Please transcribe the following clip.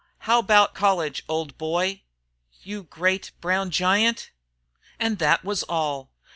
How about college, old boy." "You great, brown giant!" And that was all.